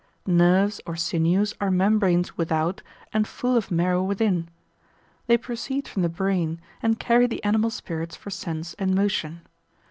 Nerves, or sinews, are membranes without, and full of marrow within; they proceed from the brain, and carry the animal spirits for sense and motion.